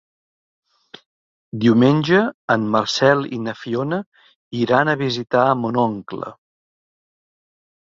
Diumenge en Marcel i na Fiona iran a visitar mon oncle.